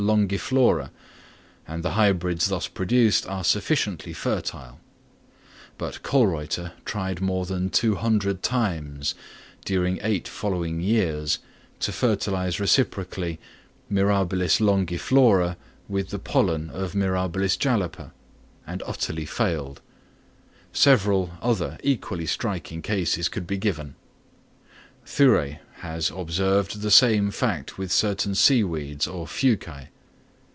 longiflora, and the hybrids thus produced are sufficiently fertile; but Kölreuter tried more than two hundred times, during eight following years, to fertilise reciprocally M. longiflora with the pollen of M. jalapa, and utterly failed. Several other equally striking cases could be given. Thuret has observed the same fact with certain sea weeds or Fuci.